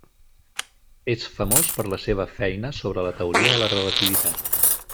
És famós per la seva feina sobre la teoria de la relativitat.